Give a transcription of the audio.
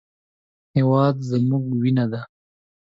هېواد زموږ وینه ده